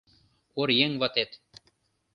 Оръеҥ ватет